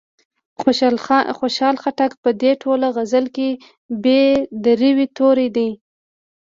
د خوشال خټک په دې ټوله غزل کې ب د روي توری دی.